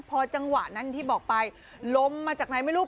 พอจังหวะนั้นที่บอกไปลมมาจากไหนไม่รู้